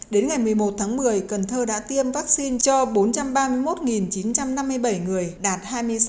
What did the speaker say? đến ngày một mươi một tháng một mươi cần thơ đã tiêm vaccine cho bốn trăm ba mươi một chín trăm năm mươi bảy người đạt hai mươi sáu